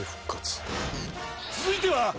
続いては。